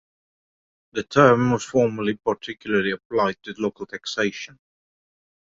The term was formerly particularly applied to local taxation.